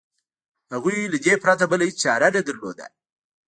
هغوی له دې پرته بله هېڅ چاره نه درلوده.